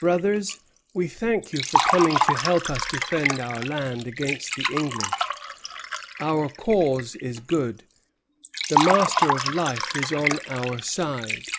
"Brothers, we thank you for coming to help us defend our lands against the English. Our cause is good. The Master of Life is on our side.